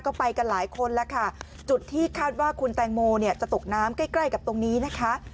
ก็ไปกันหลายคนแล้วค่ะจุดที่คาดว่าคุณแตงโมเนี่ยจะตกน้ำใกล้ใกล้กับตรงนี้นะคะ